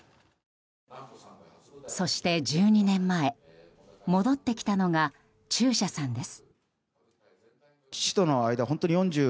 そして１２年前戻ってきたのが中車さんです。